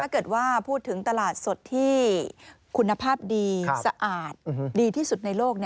ถ้าเกิดว่าพูดถึงตลาดสดที่คุณภาพดีสะอาดดีที่สุดในโลก